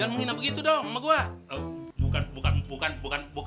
bukan maksud saya begitu pak haji